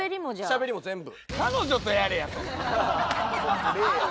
しゃべりも全部。